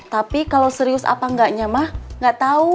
tapi kalau serius apa nggaknya mah nggak tahu